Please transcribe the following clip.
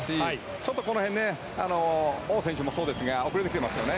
ちょっとこの辺オウ選手もそうですが遅れてきていますね。